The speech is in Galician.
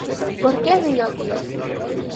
Porque ri o tío?